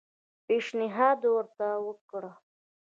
پېشنهاد ورته وکړ.